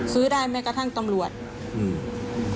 ซื้อได้แม้กระทั่งตำรวจอืม